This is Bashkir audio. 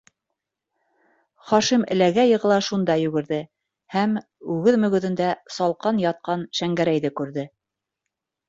Хашим эләгә-йығыла шунда йүгерҙе һәм... үгеҙ мөгөҙөндә салҡан ятҡан Шәңгәрәйҙе күрҙе.